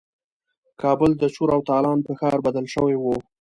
کابل د چور او تالان په ښار بدل شوی وو.